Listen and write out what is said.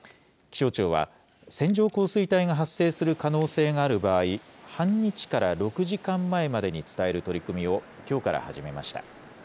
気象庁は、線状降水帯が発生する可能性がある場合、半日から６時間前までに伝える取り組みをきょうから始めました。